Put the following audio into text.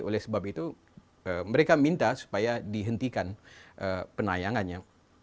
oleh sebab itu mereka minta supaya dihentikan penayangannya